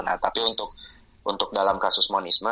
nah tapi untuk dalam kasus monisme